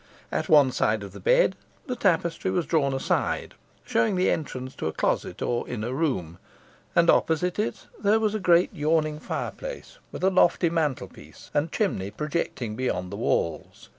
At one side of the bed the tapestry was drawn aside, showing the entrance to a closet or inner room, and opposite it there was a great yawning fireplace, with a lofty mantelpiece and chimney projecting beyond the walls.